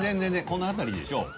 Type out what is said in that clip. この辺りでしょう。